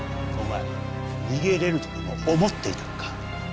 お前逃げれるとでも思っていたのか？